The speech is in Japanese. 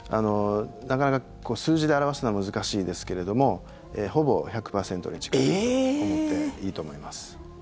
なかなか数字で表すのは難しいですけれどもほぼ１００％に近いと思っていいと思います。